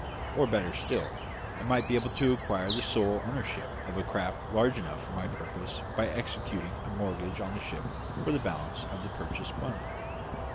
Or, better still, I might be able to acquire the sole ownership of a craft large enough for my purpose by executing a mortgage on the ship for the balance of the purchase money.